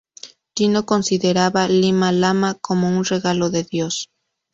Tino consideraba Lima lama como un regalo de Dios.